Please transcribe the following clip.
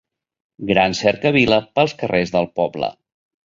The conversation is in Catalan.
Gran cercavila pels carrers del poble.